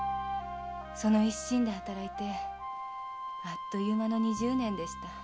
その一心で働いてあっという間の二十年でした。